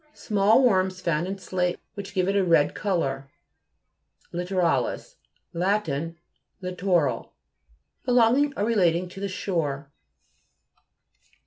Small worms found in slate which give it a red co lour. LITTORA'LIS Lat. Littoral ; be longing or relating to the shore.